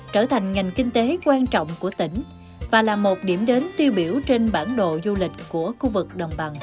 trở thành ngành kinh tế quan trọng của tỉnh và là một điểm đến tiêu biểu trên bản đồ du lịch của khu vực đồng bằng